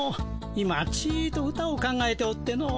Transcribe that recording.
今ちと歌を考えておっての。